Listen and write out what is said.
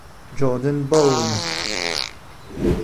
Jordan Bone